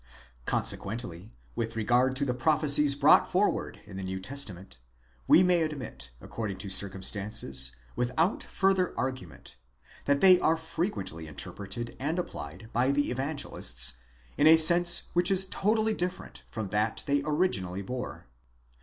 Consequently, with regard to the prophecies brought forward in the New Testament, we may admit, according to circumstances, without further argument, that they are frequently interpreted and applied by the evangelists, in a sense which is totally different from that they originally bore.